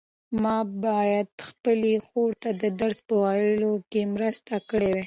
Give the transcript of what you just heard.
ما باید خپلې خور ته د درس په ویلو کې مرسته کړې وای.